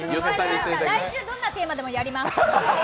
来週どんなテーマでもやります！